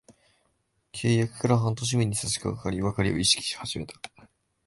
契約から半年目に差しかかり、別れを意識し始めました。